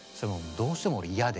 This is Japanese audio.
どうしても嫌で。